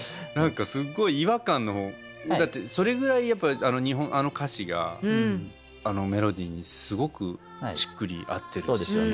何かすごい違和感だってそれぐらいやっぱりあの歌詞があのメロディーにすごくしっくり合ってるし。